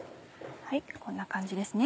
こんな感じですね。